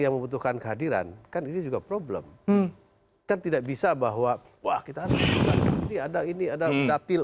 yang membutuhkan kehadiran kan ini juga problem kan tidak bisa bahwa wah kita ada ini ada dapil